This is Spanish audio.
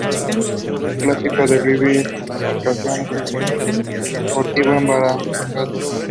El clásico de River de Embarcación es el Club Sportivo Embarcación.